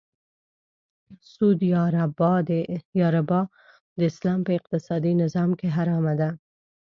سود یا ربا د اسلام په اقتصادې نظام کې حرامه ده .